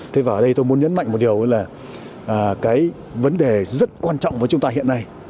thế và ở đây tôi muốn nhấn mạnh một điều là cái vấn đề rất quan trọng với chúng ta hiện nay